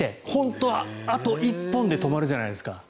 本当、あと１本で止まるじゃないですか。